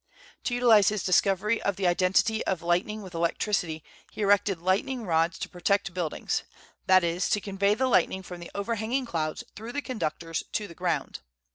To utilize his discovery of the identity of lightning with electricity he erected lightning rods to protect buildings, that is, to convey the lightning from the overhanging clouds through conductors to the ground.